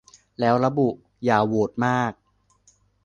แล้วระบุ 'อย่าโหวตมาก